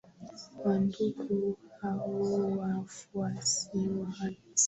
kwa ndugu au wafuasi wa rais